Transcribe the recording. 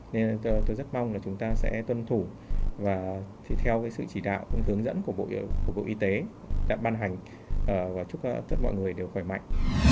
nên tôi rất mong là chúng ta sẽ tuân thủ và theo sự chỉ đạo hướng dẫn của bộ y tế đã ban hành và chúc tất mọi người đều khỏe mạnh